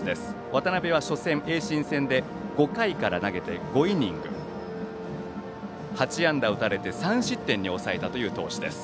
渡辺は初戦、盈進戦で５回から投げて５イニング８安打を打たれて３失点に抑えた投手です。